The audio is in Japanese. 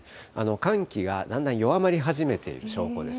寒気がだんだん弱まり始めている証拠です。